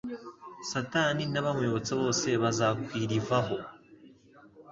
Satani n'abamuyobotse bose bazakuilvaho.